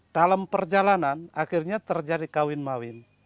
dalam perjalanan akhirnya terjadi kawin mawin